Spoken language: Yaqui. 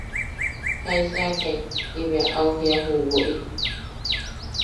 –¿Jaisaakai?– ti bea au jiia ju woʼi.